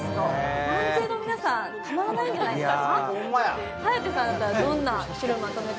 男性の皆さん、たまらないんじゃないですか？